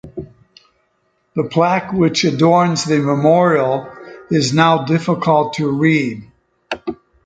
The plaque which adorns the memorial is now difficult to read.